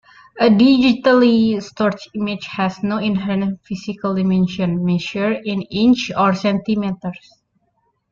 A digitally stored image has no inherent physical dimensions, measured in inches or centimeters.